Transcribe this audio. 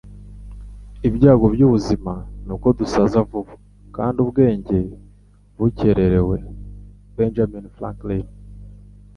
Ibyago byubuzima nuko dusaza vuba kandi ubwenge bukererewe.” - Benjamin Franklin